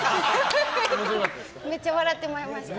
めっちゃ笑ってまいました。